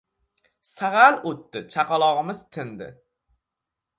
Sag‘al o‘tdi — chaqalog‘imiz tindi.